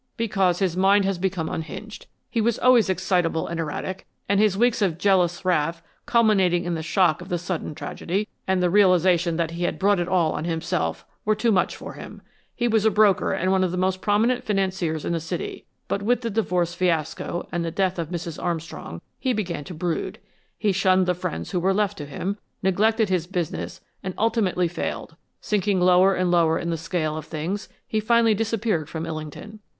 "Because his mind has become unhinged. He was always excitable and erratic, and his weeks of jealous wrath, culminating in the shock of the sudden tragedy, and the realization that he had brought it all on himself, were too much for him. He was a broker and one of the most prominent financiers in the city, but with the divorce fiasco and the death of Mrs. Armstrong, he began to brood. He shunned the friends who were left to him, neglected his business and ultimately failed. Sinking lower and lower in the scale of things, he finally disappeared from Illington.